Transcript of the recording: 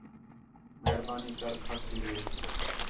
مہربانی کر کھٹ تی وِہ